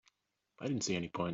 I didn't see any point.